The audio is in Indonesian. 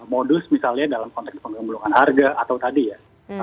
modus misalnya dalam konteks pengembangan harga atau tadi ya